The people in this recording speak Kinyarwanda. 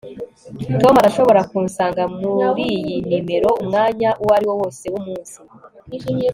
tom arashobora kunsanga kuriyi numero umwanya uwariwo wose wumunsi